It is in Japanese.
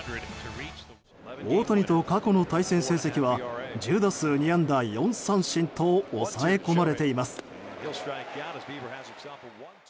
大谷と過去の対戦成績は１０打数２安打４三振と抑え込まれています。